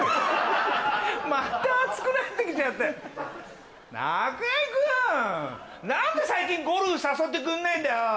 またアツくなってきちゃった中居くん何で最近ゴルフ誘ってくんないんだよ